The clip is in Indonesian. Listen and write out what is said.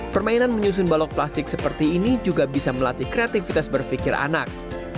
permainan menyusun balok plastik seperti ini juga bisa melatih kreativitas berpikir anak